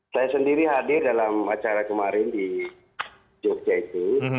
saya sendiri hadir dalam acara kemarin di jogja itu